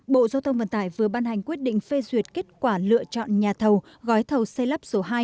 bộ giao thông vận tải vừa ban hành quyết định phê duyệt kết quả lựa chọn nhà thầu gói thầu xây lắp số hai